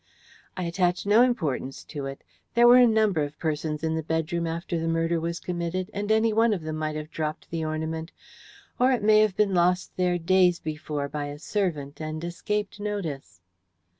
"I attach no importance to it. There were a number of persons in the bedroom after the murder was committed, and any of them might have dropped the ornament. Or it may have been lost there days before by a servant, and escaped notice."